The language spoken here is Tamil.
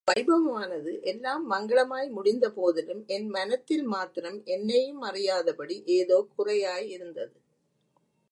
இந்த வைபவமானது எல்லாம் மங்களமாய் முடிந்தபோதிலும், என் மனத்தில் மாத்திரம் என்னையுமறியாதபடி ஏதோ குறையாயிருந்தது.